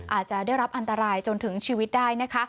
อาจจะได้รับอันตรายจนถึงชีวิตได้นะคะ